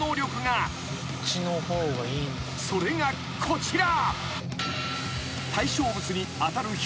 ［それがこちら］